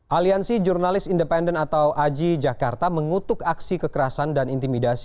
aliansi jurnalis independen atau aji jakarta mengutuk aksi kekerasan dan intimidasi